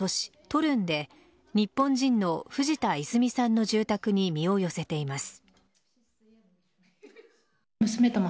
トルンで日本人の藤田泉さんの住宅に身を寄せています。